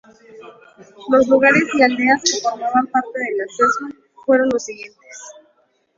Los lugares y aldeas que formaban parte de la Sesma fueron los siguientes